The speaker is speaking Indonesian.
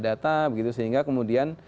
data sehingga kemudian